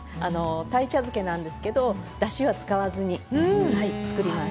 鯛茶漬けなんですけれどだしは使わずに作ります。